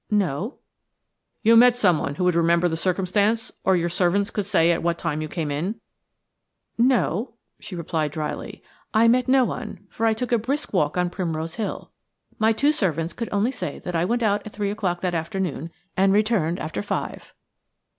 "No." "You met some one who would remember the circumstance–or your servants could say at what time you came in?" "No," she repeated dryly; 'I met no one, for I took a brisk walk on Primrose Hill. My two servants could only say that I went out at three o'clock that afternoon and returned after five."